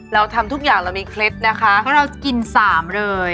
เราทำทุกอย่างเรามีเคล็ดนะคะเพราะเรากิน๓เลย